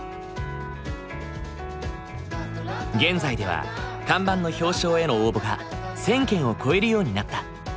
現在では看板の表彰への応募が１，０００件を超えるようになった。